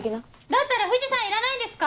だったら藤さんいらないんですか？